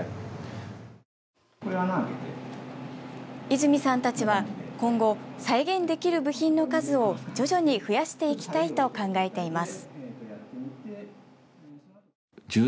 泉さんたちは今後再現できる部品の数を徐々に増やしていきたいと考えています。